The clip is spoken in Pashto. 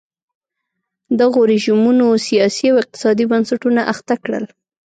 دغو رژیمونو سیاسي او اقتصادي بنسټونه اخته کړل.